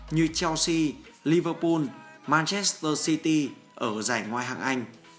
như chelsea liverpool manchester city ở giải ngoài hạng anh